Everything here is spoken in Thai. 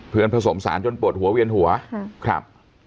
ผสมสารจนปวดหัวเวียนหัวครับ